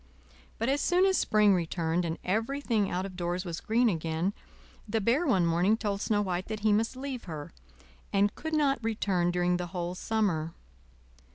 But as soon as spring returned, and everything out of doors was green again, the Bear one morning told Snow White that he must leave her, and could not return during the whole summer.